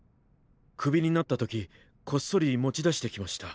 クビになった時こっそり持ち出してきました。